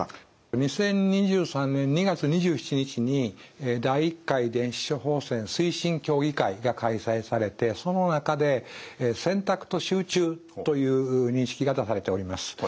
２０２３年２月２７日に第１回電子処方箋推進協議会が開催されてその中で選択と集中という認識が出されております。